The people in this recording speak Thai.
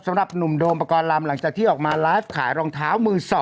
สำหรับหนุ่มโดมปลากรรมหลังจากที่ออกมาร้ายข่าวรองเท้ามือ๒